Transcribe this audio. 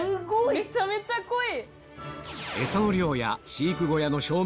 めちゃめちゃ濃い！